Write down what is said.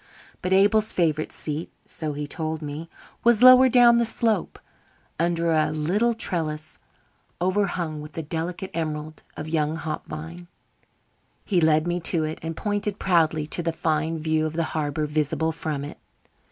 But Abel's favourite seat, so he told me, was lower down the slope, under a little trellis overhung with the delicate emerald of young hop vines. He led me to it and pointed proudly to the fine view of the harbour visible from it.